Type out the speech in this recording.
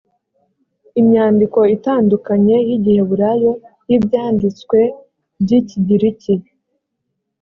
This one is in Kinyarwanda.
imyandiko itandukanye y igiheburayo y ibyanditswe by ikigiriki